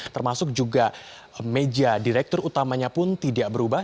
termasuk juga meja direktur utamanya pun tidak berubah